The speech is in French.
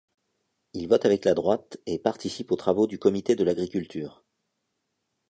Il vote avec la Droite et participe aux travaux du comité de l'agriculture.